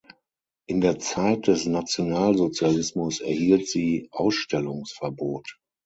In der Zeit des Nationalsozialismus erhielt sie Ausstellungsverbot.